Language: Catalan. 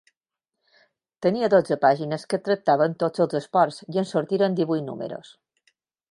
Tenia dotze pàgines que tractaven tots els esports i en sortiren divuit números.